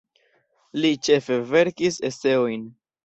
Li ĉefe verkis eseojn.